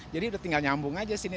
jadi tinggal nyambung aja sini